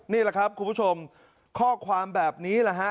นี่แหละครับคุณผู้ชมข้อความแบบนี้แหละฮะ